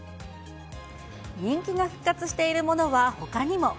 人気が復活しているものはほかにも。